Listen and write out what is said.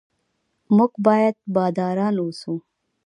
موږ باید باداران اوسو.